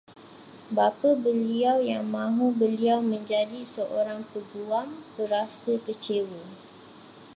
Bapa beliau yang mahu beliau menjadi seorang peguam, berasa kecewa